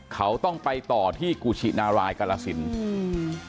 เขาต้องไปต่อที่กูชินารายกรราศิลป์